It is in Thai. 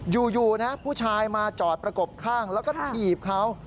อยู่นะผู้ชายมาจอดประกบข้างแล้วก็ถีบเขา